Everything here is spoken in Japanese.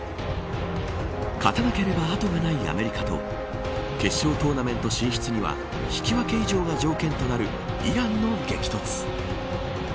勝たなければ後がないアメリカと決勝トーナメント進出には引き分け以上が条件となるイランの激突。